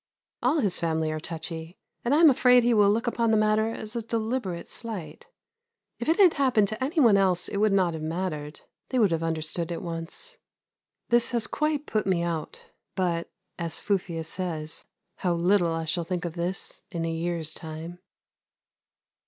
All his family are touchy, and I am afraid he will look upon the matter as a deliberate slight. If it had happened to anyone else it would not have mattered. They would have understood at once. This has quite put me out. But, as Fufius says, how little I shall think of this in a year's time.